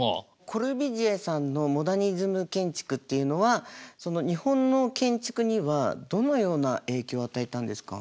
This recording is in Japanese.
コルビュジエさんのモダニズム建築っていうのは日本の建築にはどのような影響を与えたんですか？